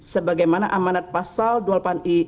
sebagaimana amanat pasal dua puluh delapan i